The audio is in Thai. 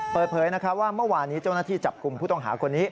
เปิดเผยว่าเมื่อวานนี้เจ้าหน้าที่จับกลุ่มผู้ต้องหาคนนี้